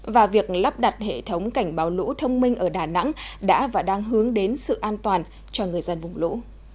và việc lắp đặt hệ thống cảnh báo lũ thông minh ở đà nẵng đã và đang hướng đến sự an toàn cho người dân vùng lũ